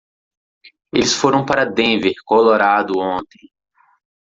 Eles foram para Denver, Colorado ontem.